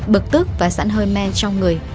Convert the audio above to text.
bực tức và sẵn hơi men trong người